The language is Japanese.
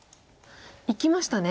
いきましたね。